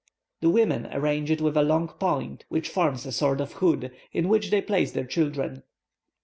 The women arrange it with a long point, which forms a sort of hood, in which they place their children.